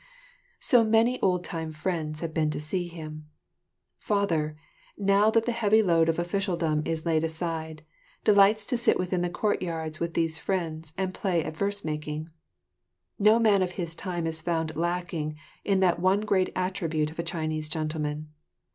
So many old time friends have been to see him. Father, now that the heavy load of officialdom is laid aside, delights to sit within the courtyards with these friends and play at verse making. No man of his time is found lacking in that one great attribute of a Chinese gentleman.